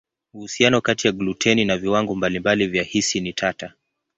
Uhusiano kati ya gluteni na viwango mbalimbali vya hisi ni tata.